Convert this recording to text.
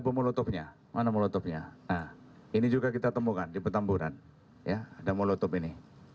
pemotongnya mana molotovnya ini juga kita temukan di petamburan ya ada molotov ini